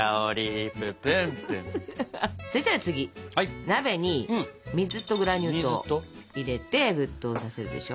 そしたら次鍋に水とグラニュー糖入れて沸騰させるでしょ。